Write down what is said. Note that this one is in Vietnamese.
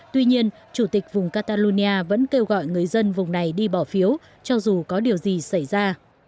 tuy nhiên chủ tịch vùng catalonia vẫn kêu gọi người dân vùng này đi bỏ phiếu cho dù có điều gì xảy ra